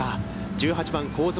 １８番、香妻